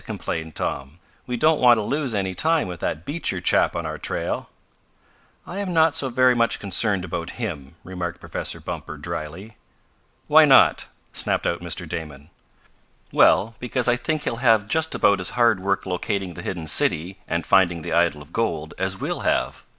complained Tom. "We don't want to lose any time with that Beecher chap on our trail." "I am not so very much concerned about him," remarked Professor Bumper, dryly. "Why not?" snapped out Mr. Damon. "Well, because I think he'll have just about as hard work locating the hidden city, and finding the idol of gold, as we'll have.